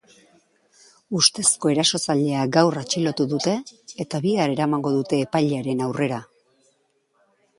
Ustezko erasotzailea gaur atxilotu dute eta bihar eramango dute epailearen aurrera.